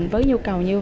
với nhu cầu nhân